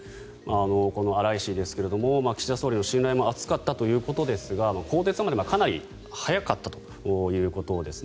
この荒井氏ですが岸田総理の信頼も厚かったということですが更迭までかなり早かったということですね。